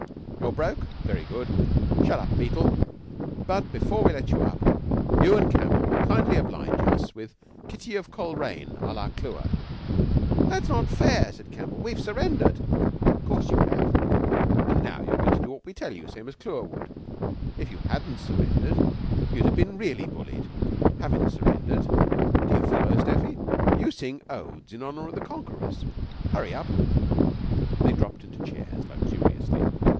You're broke? Very good. Shut up, Beetle! But before we let you up, you an' Campbell will kindly oblige us with 'Kitty of Coleraine' à la Clewer." "That's not fair," said Campbell; "we've surrendered." "'Course you have. Now you're goin' to do what we tell you same as Clewer would. If you hadn't surrendered you'd ha' been really bullied. Havin' surrendered do you follow, Seffy? you sing odes in honor of the conquerors. Hurry up!" They dropped into chairs luxuriously.